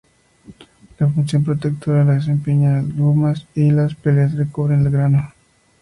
La función protectora la desempeñan las glumas y las páleas; que recubren al grano.